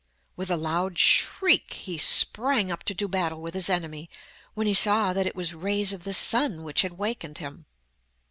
With a loud shriek he sprang up to do battle with his enemy, when he saw that it was rays of the sun which had wakened him.